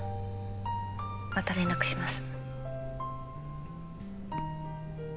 また連絡します